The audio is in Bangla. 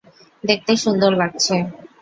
দেখতে সুন্দর লাগছে।